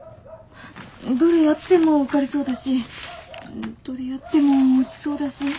どれやっても受かりそうだしどれやっても落ちそうだし。